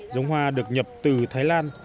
giống hoa được nhập từ thái lan